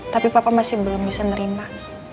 tapi papa masih belum bisa nerima